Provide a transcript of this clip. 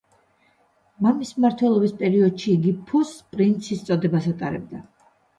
მამის მმართველობის პერიოდში იგი ფუს პრინცის წოდებას ატარებდა.